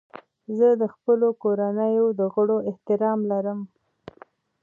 زه د خپلو کورنیو د غړو احترام لرم.